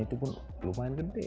itu pun lumayan gede